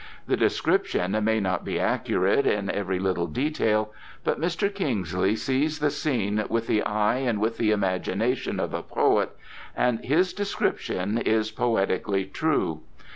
The description may not be accurate in every little detail, but Mr. Kingsley sees the scene with the eye and with the imagination of a poet, and his description is poetically true.